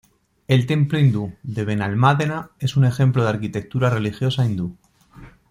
El templo hindú de Benalmádena es un ejemplo de arquitectura religiosa hindú.